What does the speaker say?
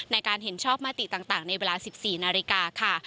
ในการเห็นชอบมติต่างในเวลา๑๔นาฬิกาค่ะ